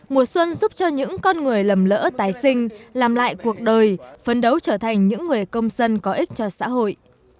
mùa xuân giúp cho những con người lầm lỡ tái sinh làm lại cuộc đời phấn đấu trở thành những người công dân có ích cho xã hội